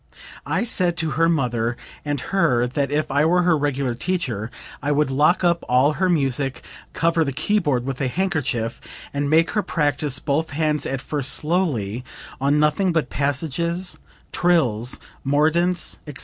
I said to her mother and her that if I were her regular teacher, I would lock up all her music, cover the keyboard with a handkerchief, and make her practice both hands at first slowly on nothing but passages, trills, mordents, etc.